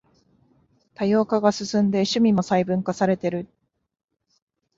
多様化が進んで趣味も細分化されてる